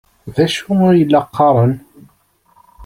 D acu ay la qqaren?